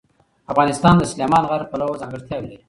افغانستان د سلیمان غر پلوه ځانګړتیاوې لري.